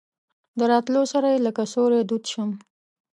د راتلو سره یې لکه سیوری دود شم.